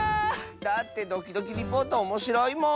だって「ドキドキリポート」おもしろいもん！